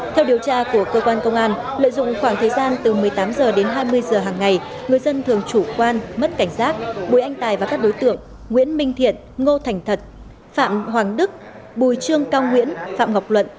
theo điều tra của cơ quan công an lợi dụng khoảng thời gian từ một mươi tám h đến hai mươi h hàng ngày người dân thường chủ quan mất cảnh giác bùi anh tài và các đối tượng nguyễn minh thiện ngô thành thật phạm hoàng đức bùi trương cao nguyễn phạm ngọc luận